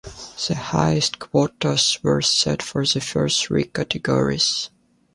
The highest quotas were set for the first three categories.